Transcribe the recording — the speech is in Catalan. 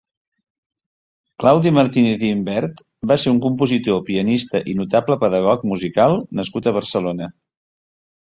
Claudi Martínez i Imbert va ser un compositor, pianista i notable pedagog musical nascut a Barcelona.